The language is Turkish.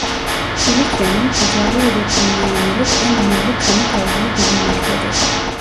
Kilikya'nın ticari üretimine yönelik en önemli kanıt olduğu bilinmektedir.